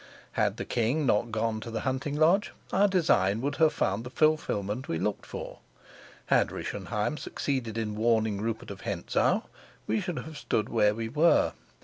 Had the king not gone to the hunting lodge, our design would have found the fulfilment we looked for; had Rischenheim succeeded in warning Rupert of Hentzau, we should have stood where we were.